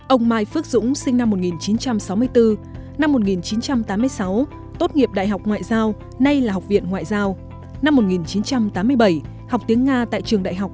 ông mai phước dũng cục trưởng cục lễ tân nhà nước